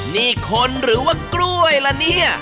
นี่คนหรือว่ากล้วยละเนี่ย